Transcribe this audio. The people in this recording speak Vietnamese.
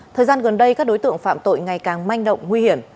thời gian gần đây các đối tượng phạm tội ngày càng manh động nguy hiểm